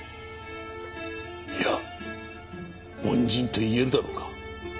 いや恩人と言えるだろうか？